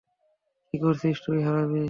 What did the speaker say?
কী করছিস তুই, হারামী?